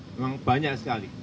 memang banyak sekali